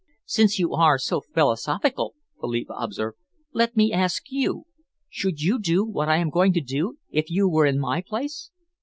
"Since you are so philosophical," Philippa observed, "let me ask you should you do what I am going to do, if you were in my place?"